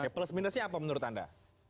plus minusnya apa menurut anda